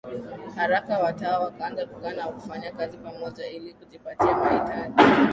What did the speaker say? haraka watawa wakaanza kukaa na kufanya kazi pamoja ili kujipatia mahitaji